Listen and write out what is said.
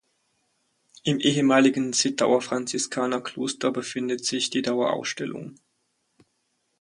Im ehemaligem Zittauer Franziskanerkloster befindet sich die Dauerausstellung.